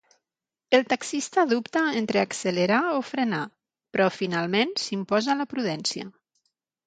El taxista dubta entre accelerar o frenar, però finalment s'imposa la prudència.